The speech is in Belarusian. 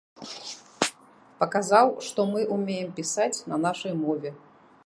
Паказаў, што мы ўмеем пісаць на нашай мове.